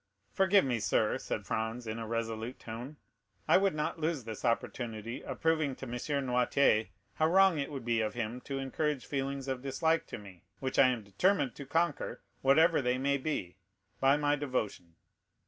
40032m "Forgive me, sir," said Franz in a resolute tone. "I would not lose this opportunity of proving to M. Noirtier how wrong it would be of him to encourage feelings of dislike to me, which I am determined to conquer, whatever they may be, by my devotion."